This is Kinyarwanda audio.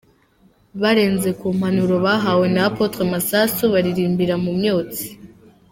Barenze ku mpanuro bahawe na Apotre Masasu baririmbira mu myotsi.